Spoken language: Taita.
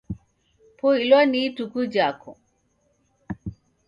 Poilwa ni ituku jako!